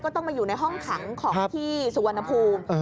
ต้องมาอยู่ในห้องขังของที่สุวรรณภูมิ